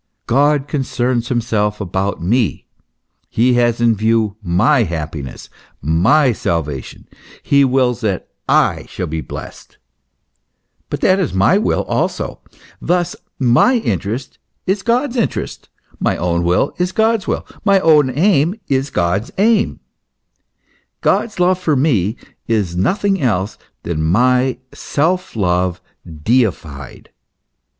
God concerns himself about me ; he has in view my happiness, my salvation ; he wills that I shall be blest ; but that is my will also : thus, my interest is God's interest, my own will is God's will, my own aim is God's aim, God's love for me nothing else than my self love deified.